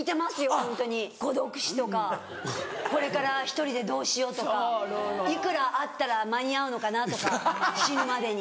ホントに孤独死とかこれから１人でどうしようとかいくらあったら間に合うのかな？とか死ぬまでに。